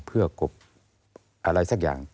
เพื่อกบอะไรสักอย่าง